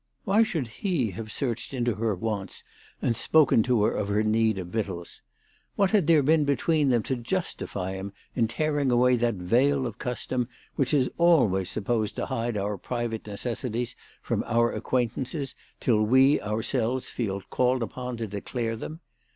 "Why should he have searched into her wants and spoken to her of her need of victuals ? What had there been between them to justify him in tearing away that veil of custom which is always supposed to hide our private necessities from our acquaintances till we ourselves feel called upon to declare them